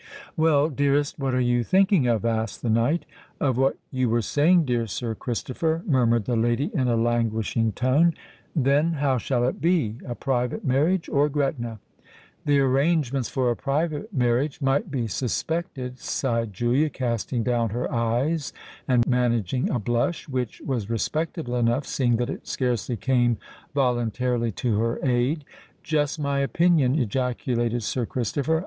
"Well, dearest, what are you thinking of?" asked the knight. "Of what you were saying, dear Sir Christopher," murmured the lady in a languishing tone. "Then, how shall it be! a private marriage—or Gretna?" "The arrangements for a private marriage might be suspected," sighed Julia, casting down her eyes and managing a blush, which was respectable enough, seeing that it scarcely came voluntarily to her aid. "Just my opinion!" ejaculated Sir Christopher.